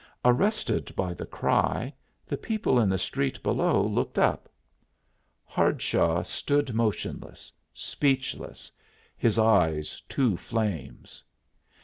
Arrested by the cry, the people in the street below looked up. Hardshaw stood motionless, speechless, his eyes two flames.